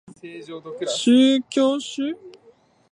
紹興酒